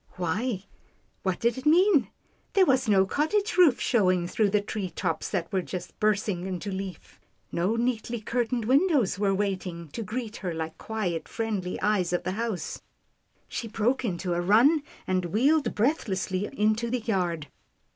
Why! what did it mean? There was no cot tage roof showing through the tree tops that were just bursting into leaf — no neatly curtained win dows were waiting to greet her like quiet friendly eyes of the house. 254 'TILDA JANE RECEIVES A SHOCK 255 She broke into a run, and wheeled breathlessly into the yard.